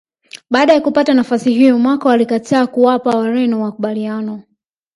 Baada ya kupata nafasi hiyo Machel alikataa kuwapa Wareno makubaliano